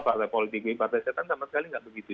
partai politik b partai setan sama sekali tidak begitu